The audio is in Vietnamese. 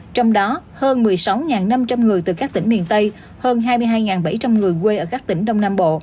trong đó hơn một mươi sáu năm trăm linh người từ các tỉnh miền tây hơn hai mươi hai bảy trăm linh người quê ở các tỉnh đông nam bộ